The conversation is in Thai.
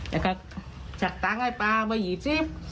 แล้วก็จัดตังให้ปลามาอยู่จิ๊บ